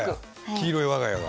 黄色い我が家が。